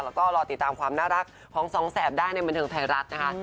แล้วก็รอติดตามความน่ารักของสองแสบได้ในบันเทิงไทยรัฐนะคะ